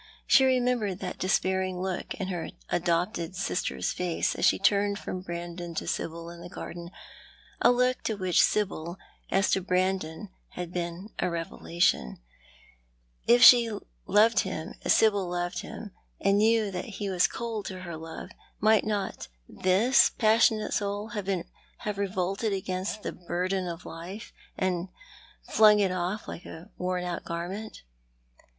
She remembered that despair ing look in her adopted sister's face, as she turned from Brandon to Sibyl in the garden ; a look which to Sibyl, as to Brandon, had been a revelation. And if she loved him as Sibyl loved him, and knew that he was cold to her love, might not this passionate soul have revolted against the burden of life, and flung it off like a worn out garment